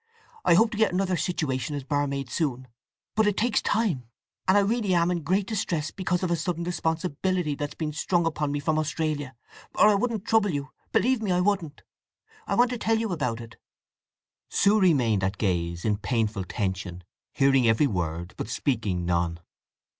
I hope to get another situation as barmaid soon. But it takes time, and I really am in great distress because of a sudden responsibility that's been sprung upon me from Australia; or I wouldn't trouble you—believe me I wouldn't. I want to tell you about it." Sue remained at gaze, in painful tension, hearing every word, but speaking none.